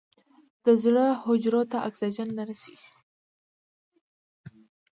د زړه حجرو ته اکسیجن نه رسېږي.